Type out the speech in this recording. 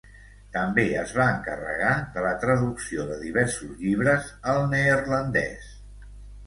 També es va encarregar de la traducció de diversos llibres al neerlandès.